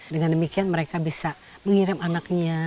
dengan demikian mereka bisa mengirim anaknya